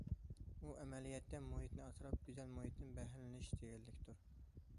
ئۇ ئەمەلىيەتتە مۇھىتنى ئاسراپ، گۈزەل مۇھىتتىن بەھرىلىنىش دېگەنلىكتۇر.